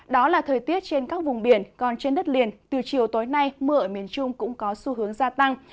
đó là thời tiết trên các vùng biển còn trên đất liền từ chiều tối nay mưa ở miền trung cũng có xu hướng gia tăng